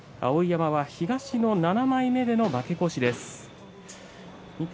碧山は東の７枚目での負け越し。